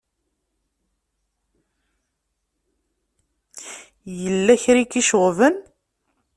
Yella kra i k-iceɣben?